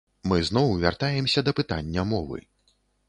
Мы зноў вяртаемся да пытання мовы.